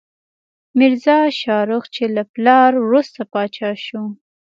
میرزا شاهرخ، چې له پلار وروسته پاچا شو.